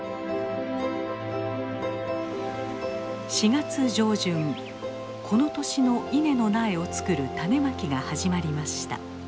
４月上旬この年の稲の苗を作る種まきが始まりました。